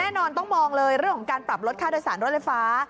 แน่นอนต้องมองเลยเรื่องของการปรับลดค่าโดยสารรถไฟฟ้า